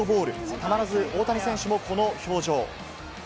たまらず大谷選手もこの表情。